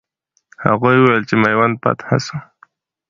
هغوی وویل چې میوند فتح سو.